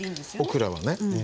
オクラはね